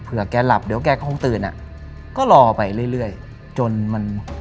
อื้ม